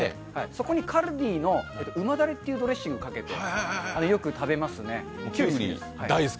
そこにカルディのうまだれというドレッシングかけてよく食べますね。